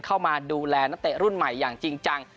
เข้ามาดูแลนักเตะรุ่นใหม่อย่างจริงจัง